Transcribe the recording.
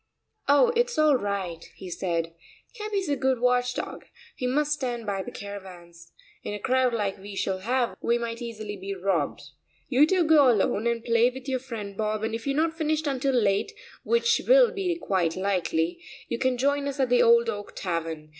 "Oh, it's all right," he said; "Capi's a good watch dog; he must stand by the caravans. In a crowd like we shall have we might easily be robbed. You two go alone and play with your friend Bob, and if you are not finished until late, which will be quite likely, you can join us at the Old Oak Tavern.